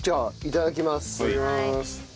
いただきます。